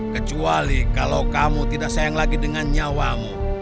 kecuali kalau kamu tidak sayang lagi dengan nyawamu